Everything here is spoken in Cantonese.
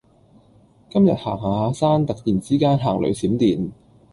今日行行下山突然之間行雷閃電